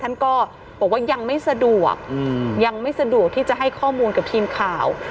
ท่านก็บอกว่ายังไม่สะดวกยังไม่สะดวกที่จะให้ข้อมูลกับทีมข่าว